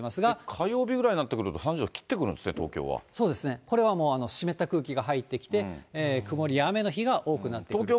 火曜日ぐらいになってくると、３０度切ってくるんですね、そうですね、これは湿った空気が入ってきて、曇りや雨の日が多くなってくると。